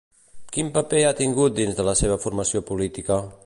Quin paper ha tingut dins de la seva formació política?